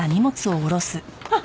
あっ！